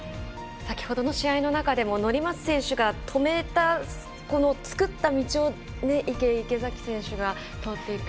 先ほどの試合の中でも乗松選手が止めた作った道を池、池崎選手が通っていく。